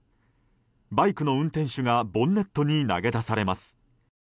バイクの運転手がボンネットに投げ出されます。